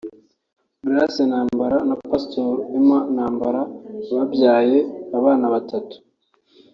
Grace Ntambara na Pastor Emma Ntambara babyaranye abana batatu